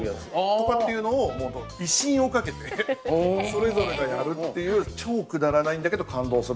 とかっていうのを威信をかけてそれぞれがやるっていう超くだらないんだけど感動するとか。